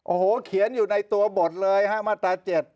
โอ้โหเขียนอยู่ในตัวบทเลยฮะมาตรา๗